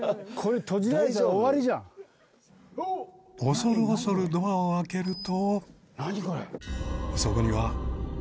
［恐る恐るドアを開けると］